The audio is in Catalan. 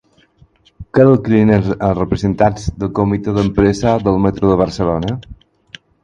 Què declinen els representants del Comitè d'empresa del Metro de Barcelona?